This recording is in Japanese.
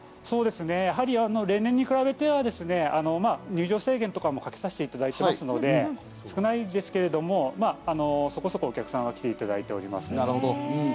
そうですね、例年に比べては入場制限もかけさせていただいておりますので、少ないんですけど、そこそこお客さんに来ていただいております。